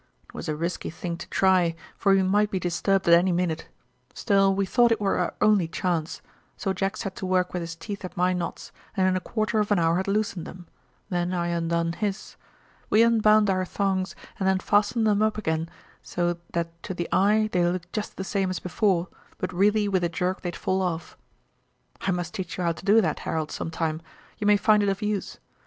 "It was a risky thing to try, for we might be disturbed at any minute. Still we thought it were our only chance, so Jack set to work with his teeth at my knots and in a quarter of an hour had loosened them; then I undone his. We unbound our thongs and then fastened 'em up again so that to the eye they looked jest the same as before but really with a jerk they'd fall off. "I must teach you how to do that, Harold, some time; ye may find it of use.